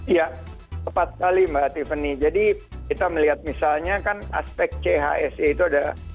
ya tepat sekali mbak tiffany jadi kita melihat misalnya kan aspek chse itu ada